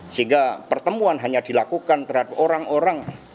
sehingga pertemuan hanya dilakukan terhadap orang orang